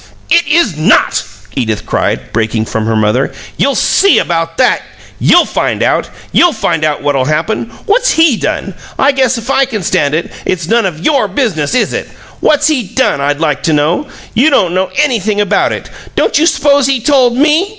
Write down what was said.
"It is NOT!" Edith cried, breaking from her mother. "You'll SEE about that! You'll find out! You'll find out what'll happen! What's HE done? I guess if I can stand it, it's none of YOUR business, is it? What's HE done, I'd like to know? You don't know anything about it. Don't you s'pose he told ME?